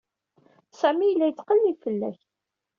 Sami yella yettqellib fell-ak.